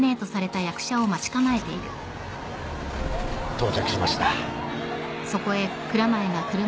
到着しました。